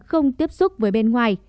không tiếp xúc với bên ngoài